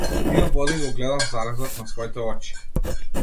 Пијам вода, и го гледам залезот на своите очи.